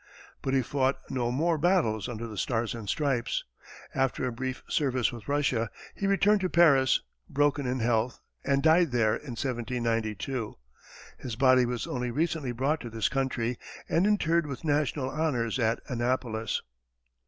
But he fought no more battles under the Stars and Stripes. After a brief service with Russia, he returned to Paris, broken in health, and died there in 1792. His body was only recently brought to this country and interred with national honors at Annapolis.